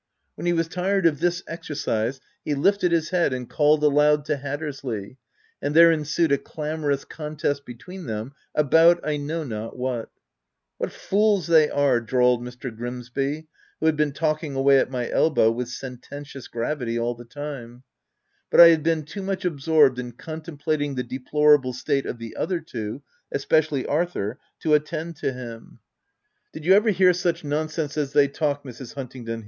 When he was tired of this exercise he lifted his head and called aloud to Hattersley, and there ensued a clamorous contest between them about I know not what. " What fools they are V 9 drawled Mr. Grims by, who had been talking away, at my elbow, with sententious gravity all the time ; but I had been too much absorbed in contemplating the deplorable state of the other two — espe cially Arthur — to attend to him. 230 THE TENANT Did you ever hear such nonsense as they talk, Mrs. Huntingdon